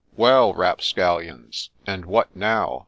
' Well, rapscallions ! and what now